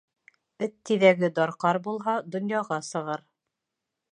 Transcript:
Эт тиҙәге дарҡар булһа, донъяға сығыр.